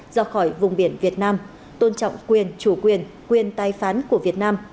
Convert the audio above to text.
do khỏi vùng biển việt nam tôn trọng quyền chủ quyền quyền tai phán của việt nam